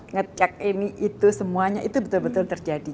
nge check ini itu semuanya itu betul betul terjadi